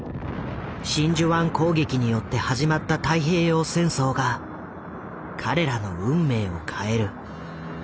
真珠湾攻撃によって始まった太平洋戦争が彼らの運命を変える。